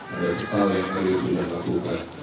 hal hal yang kami sudah lakukan